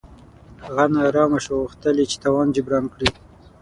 هغه نا ارامه شو او غوښتل یې چې تاوان جبران کړي.